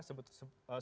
sebut saja menurut saya